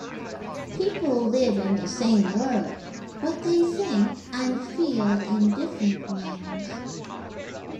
People live in the same world, but they think and feel in different ones.